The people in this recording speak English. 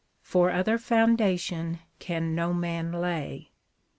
For other foundation can no man lay.